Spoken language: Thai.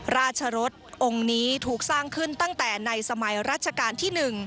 ราชรสองค์นี้ถูกสร้างขึ้นตั้งแต่ในสมัยรัชกาลที่๑